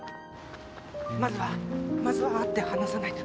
まずはまずは会って話さないと。